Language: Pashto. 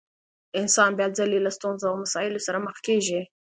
انسان بيا ځلې له ستونزو او مسايلو سره مخ کېږي.